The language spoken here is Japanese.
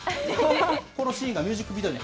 このシーンがミュージックビデオ